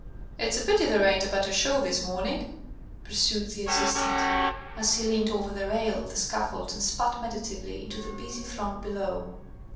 "It's a pity there ain't a better show this morning," pursued the assistant, as he leant over the rail of the scaffold and spat meditatively into the busy throng below.